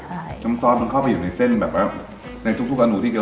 นี่ถ้าบีบมะนาวใส่พลิกหน่อย์ในจบเลยนะแล้วตัวเส้นดีตรงไหนเกิดมา